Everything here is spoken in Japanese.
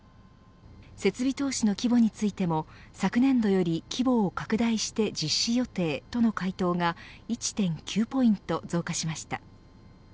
設備投資の規模についても昨年度より規模を拡大して実施予定との回答が１．９ポイント増加しました。